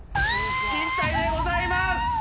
引退でございます！